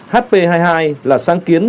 hp hai mươi hai là sáng kiến